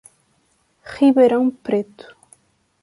Ribeirão Preto